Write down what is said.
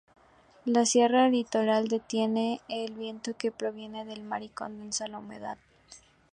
La sierra litoral detiene el viento que proviene del mar y condensa la humedad.